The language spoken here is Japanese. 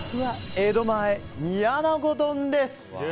江戸前煮穴子丼です！